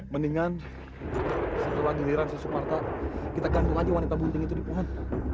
mendingan setelah giliran si separta kita gantung aja wanita bunting itu di pohon